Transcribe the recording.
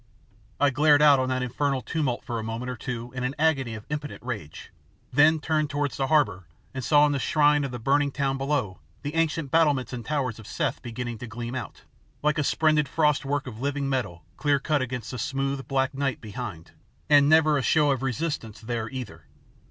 I glared out on that infernal tumult for a moment or two in an agony of impotent rage, then turned towards the harbour and saw in the shine of the burning town below the ancient battlements and towers of Seth begin to gleam out, like a splendid frost work of living metal clear cut against the smooth, black night behind, and never a show of resistance there either.